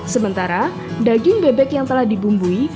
sementara daging bebek yang telah dibumbui